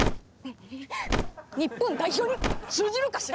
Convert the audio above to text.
日本代表に通じるかしら？